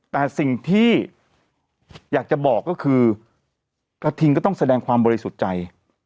แต่สิ่งที่อยากจะบอกก็คือกระทิงก็ต้องแสดงความบริสุทธิ์ใจ